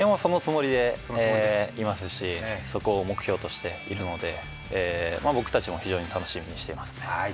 そのつもりでいますし、そこを目標としているので、僕たちも非常に楽しみにしていますね。